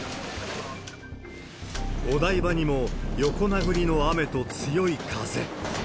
お台場にも横殴りの雨と強い風。